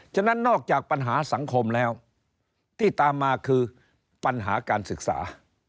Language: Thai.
ฉะนั้นนอกจากปัญหาสังคมแล้วที่ตามมาคือปัญหาการศึกษา